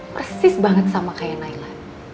persis banget sama kayak naila